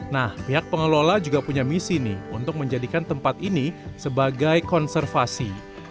nah pihak pengelola juga punya misi nih untuk menjadikan tempat ini sebagai konservasi